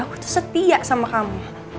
aku tuh setia sama kamu